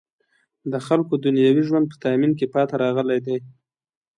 د خلکو دنیوي ژوند په تأمین کې پاتې راغلی دی.